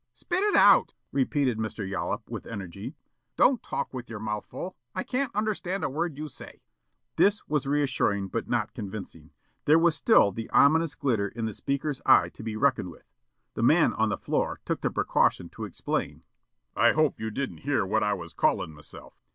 "Spit it out!" repeated Mr. Yollop, with energy. "Don't talk with your mouth full. I can't understand a word you say." This was reassuring but not convincing. There was still the ominous glitter in the speaker's eye to be reckoned with. The man on the floor took the precaution to explain: "I hope you didn't hear what I was callin' myself."